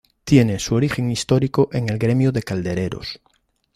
Tiene su origen histórico en el Gremio de Caldereros.